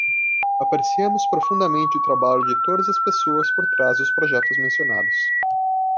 Apreciamos profundamente o trabalho de todas as pessoas por trás dos projetos mencionados.